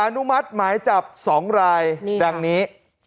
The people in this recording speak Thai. อนุมัติหมายจับ๒รายดังนี้